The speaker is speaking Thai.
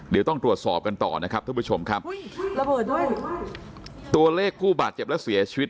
เดี๋ยวต้องตรวจสอบกันต่อนะครับท่านผู้ชมครับระเบิดด้วยตัวเลขผู้บาดเจ็บและเสียชีวิต